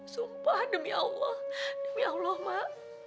sumpah demi allah demi allah mak